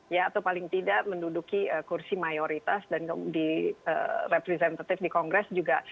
ya atau paling tidak menduduki kursi mayoritas dan di representative di kongres juga